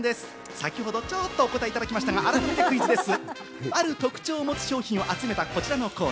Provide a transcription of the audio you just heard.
先ほどちょっとお答えいただけましたが、改めてクイズです。